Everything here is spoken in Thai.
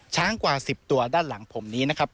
ช้างกว่า๑๐ตัวด้านหลังผมนี้นะครับ